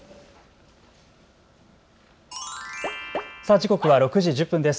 時刻は６時１０分です。